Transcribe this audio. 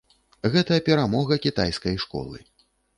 Гэта перамога кітайскай школы.